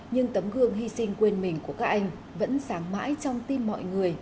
nhưng tấm gương hy sinh quên mình của các anh vẫn sáng mãi trong tim mọi người